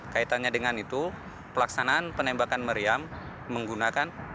kaitannya dengan itu pelaksanaan penembakan meriam menggunakan